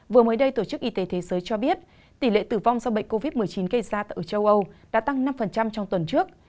vừa mới đây tổ chức y tế thế giới cho biết tỷ lệ tử vong do bệnh covid một mươi chín gây ra tại châu âu đã tăng năm trong tuần trước